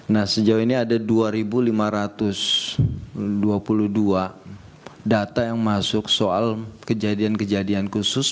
nah sejauh ini ada dua lima ratus dua puluh dua data yang masuk soal kejadian kejadian khusus